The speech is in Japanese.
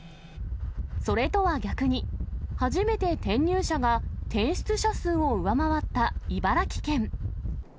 それとは逆に、初めて転入者が転出者数を上回った茨城県。